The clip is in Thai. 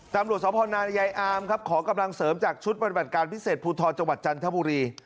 ตำรวจสพนายายอามครับขอกำลังเสริมจากชุดปฏิบัติการพิเศษภูทรจังหวัดจันทบุรี